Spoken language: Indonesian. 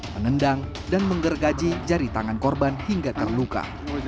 menendang dan menggergaji jari tangan korban hingga terluka